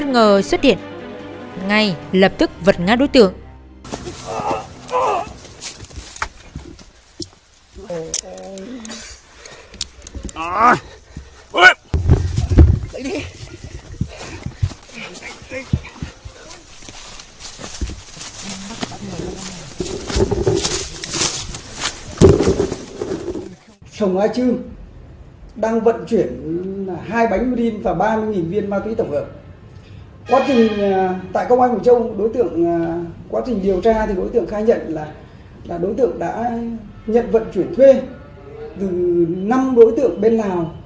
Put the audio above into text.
từ năm đối tượng bên lào